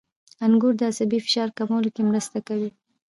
• انګور د عصبي فشار کمولو کې مرسته کوي.